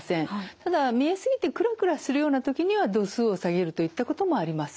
ただ見え過ぎてくらくらするような時には度数を下げるといったこともあります。